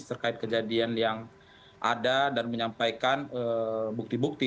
terkait kejadian yang ada dan menyampaikan bukti bukti